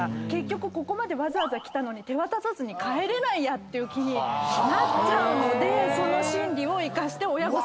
ここまでわざわざ来たのに手渡さずに帰れないっていう気になるのでその心理を生かして。